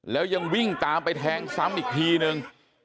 แล้วยังวิ่งตามไปแทงซ้ำอีกทีนึง